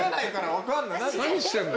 何してんの？